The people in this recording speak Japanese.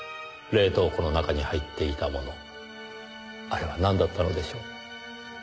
冷凍庫の中に入っていたものあれはなんだったのでしょう？